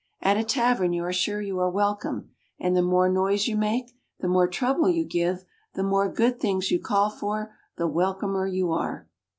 At a tavern you are sure you are welcome, and the more noise you make, the more trouble you give, the more good things you call for, the welcomer you are."